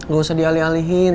gak usah dialih alihin